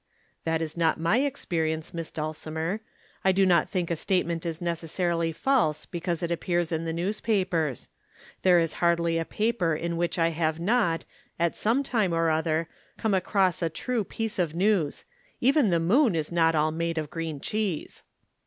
"That is not my experience, Miss Dulcimer. I do not think a statement is necessarily false because it appears in the newspapers. There is hardly a paper in which I have not, at some time or other, come across a true piece of news. Even the Moon is not all made of green cheese."